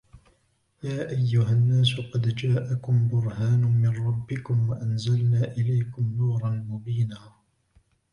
يَا أَيُّهَا النَّاسُ قَدْ جَاءَكُمْ بُرْهَانٌ مِنْ رَبِّكُمْ وَأَنْزَلْنَا إِلَيْكُمْ نُورًا مُبِينًا